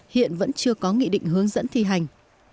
hiện vẫn chưa có nghị định hướng dẫn thi hành